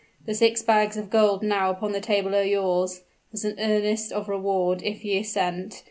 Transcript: The six bags of gold now upon the table are yours, as an earnest of reward, if ye assent.